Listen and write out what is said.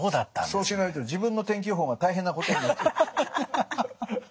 そうしないと自分の天気予報が大変なことになっちゃう。